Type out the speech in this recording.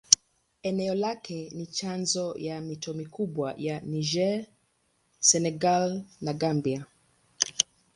Eneo lake ni chanzo ya mito mikubwa ya Niger, Senegal na Gambia.